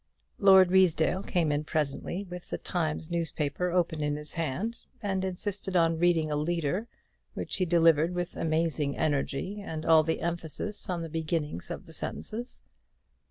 Lord Ruysdale came in presently with the "Times" newspaper open in his hand, and insisted on reading a leader, which he delivered with amazing energy, and all the emphasis on the beginnings of the sentences.